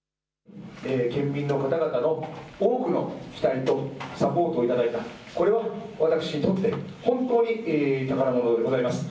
県民の方々の多くの期待とサポートをいただいた、これは私にとって本当に宝物でございます。